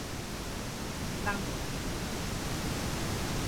Tá ótimo.